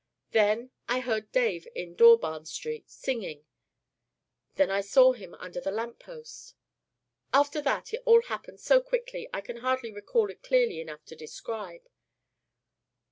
Then I heard Dave in Dawbarn Street, singing. Then I saw him under the lamp post. After that it all happened so quickly I can hardly recall it clearly enough to describe.